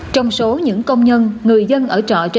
trong số những công nhân người dân ở trọ trên